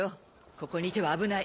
ここにいては危ない。